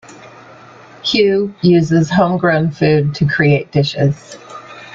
Hugh uses home-grown food to create dishes.